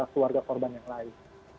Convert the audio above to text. keluarga korban yang lain